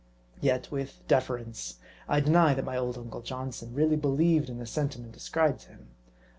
Yet, with deference, I deny that my old uncle Johnson really believed in the sentiment as cribed to him.